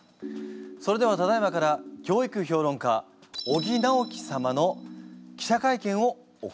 それではただ今から教育評論家尾木直樹様の記者会見を行います。